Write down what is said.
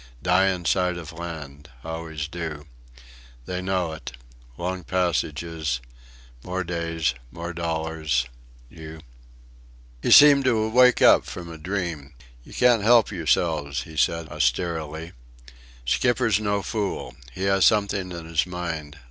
Die in sight of land. Always so. They know it long passage more days, more dollars. You " He seemed to wake up from a dream. "You can't help yourselves," he said, austerely, "Skipper's no fool. He has something in his mind.